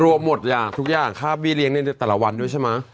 รวมหมดอย่างทุกอย่างค่าเบี้เลี้ยงในแต่ละวันด้วยใช่ไหม